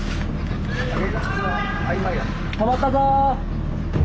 止まったぞ。